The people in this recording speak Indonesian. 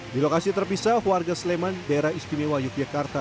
di lokasi terpisah warga sleman daerah istimewa yogyakarta